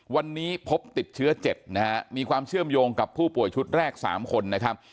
วันนี้พบติดเชื้อ๗นะฮะมีความเชื่อมโยงกับผู้ป่วยชุดแรก๓คนนะครับ